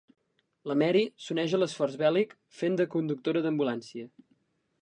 La Mary s'uneix a l'esforç bèl·lic fent de conductora d'ambulància.